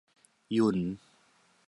หยุ่น